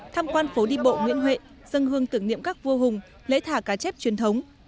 tham quan phố đi bộ nguyễn huệ dân hương tưởng niệm các vua hùng lễ thả cá chép truyền thống